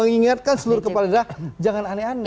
mengingatkan seluruh kepala daerah jangan aneh aneh